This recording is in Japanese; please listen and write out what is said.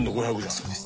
そうです。